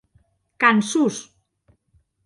Cançons!